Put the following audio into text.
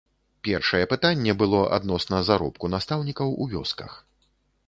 Першае пытанне было адносна заробку настаўнікаў у вёсках.